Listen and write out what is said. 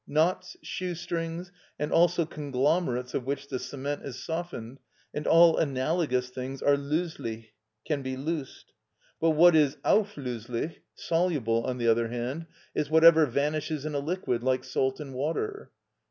Knots, shoe strings, and also conglomerates of which the cement is softened, and all analogous things are "löslich" (can be loosed); but what is "auflöslich" (soluble), on the other hand, is whatever vanishes in a liquid, like salt in water.